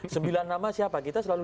sembilan nama siapa kita selalu